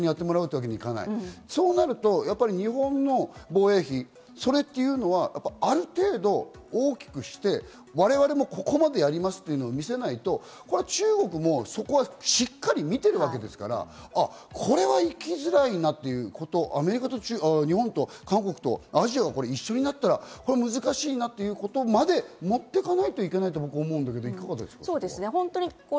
そうなると日本の防衛費、それはある程度、大きくして我々もここまでやりますというのを見せないと中国もそこはしっかり見ているわけですから、これは行きづらいなということ、アメリカ、日本、韓国とアジアが一緒になったら、難しいなということまで持っていかないていけないと思うんですが、いかがですか？